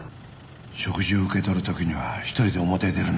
食事を受け取る時には一人で表へ出るなよ。